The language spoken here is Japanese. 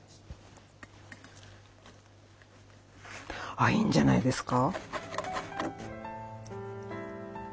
あっいいんじゃないですか？